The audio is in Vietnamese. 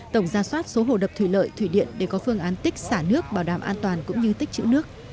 tổng ra soát số hồ đập thủy lợi thủy điện để có phương án tích xả nước bảo đảm an toàn cũng như tích chữ nước